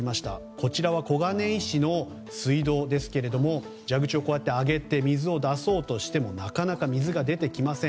こちらは小金井市の水道ですが蛇口を上げて水を出そうとしてもなかなか水が出てきません。